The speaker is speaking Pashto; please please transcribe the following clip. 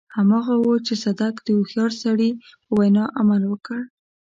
هماغه و چې صدک د هوښيار سړي په وينا عمل وکړ.